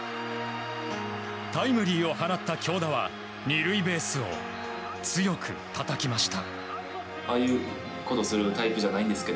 タイムリーを放った京田は２塁ベースを強くたたきました。